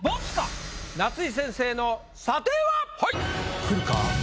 夏井先生の査定は⁉くるか？